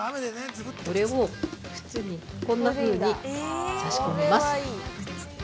これを靴にこんなふうに差し込みます。